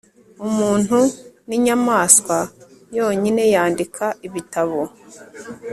Umuntu ninyamaswa yonyine yandika ibitabo